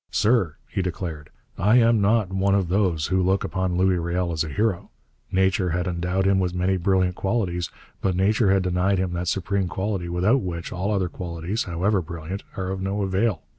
'Sir,' he declared, 'I am not one of those who look upon Louis Riel as a hero. Nature had endowed him with many brilliant qualities, but nature had denied him that supreme quality without which all other qualities, however brilliant, are of no avail.